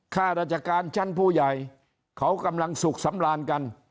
ข้าราชการชั้นผู้ใหญ่เขากำลังสุขสำราญกัน